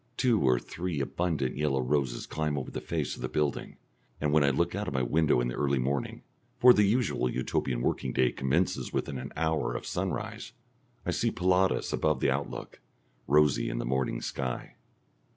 Two or three abundant yellow roses climb over the face of the building, and when I look out of my window in the early morning for the usual Utopian working day commences within an hour of sunrise I see Pilatus above this outlook, rosy in the morning sky.